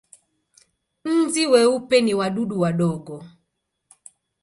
Nzi weupe ni wadudu wadogo.